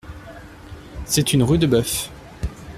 C’est une Rudebeuf.